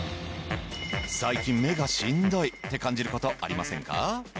最近目がしんどいって感じることありませんか？